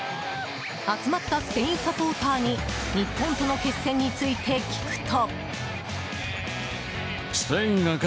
集まったスペインサポーターに日本との決戦について聞くと。